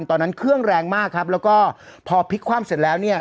ตอนนั้นเครื่องแรงมากครับแล้วก็พอพลิกคว่ำเสร็จแล้วเนี่ย